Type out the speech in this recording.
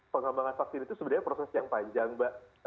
pengembangan vaksin itu sebenarnya proses yang panjang mbak